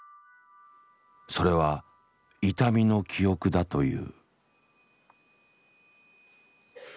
それは痛みの記憶だという。